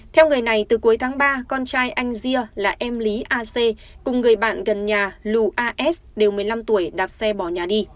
theo người này từ cuối tháng ba con trai anh ria là em lý a c cùng người bạn gần nhà lù as đều một mươi năm tuổi đạp xe bỏ nhà đi